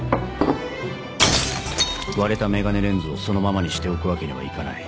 割れたメガネレンズをそのままにしておくわけにはいかない。